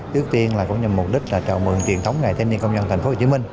trước tiên là cũng nhằm mục đích trào mừng truyền thống ngày thanh niên công nhân thành phố hồ chí minh